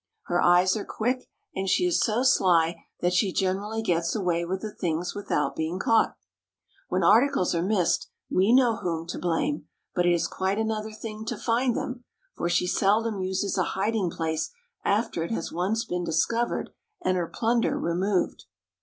Her eyes are quick and she is so sly that she generally gets away with the things without being caught. When articles are missed, we know whom to blame, but it is quite another thing to find them, for she seldom uses a hiding place after it has once been discovered and her plunder removed.